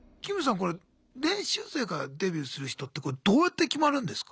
これ練習生からデビューする人ってどうやって決まるんですか？